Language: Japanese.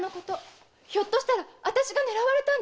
ひょっとしたら私が狙われたんでは？